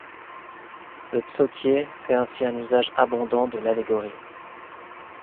Le Psautier fait ainsi un usage abondant de l’allégorie.